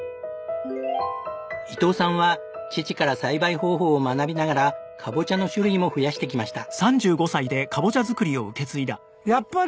伊藤さんは父から栽培方法を学びながらカボチャの種類も増やしてきました。